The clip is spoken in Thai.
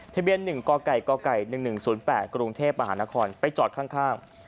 ทะเบียน๑กก๑๑๐๘กรุงเทพมหานครไปจอดข้าง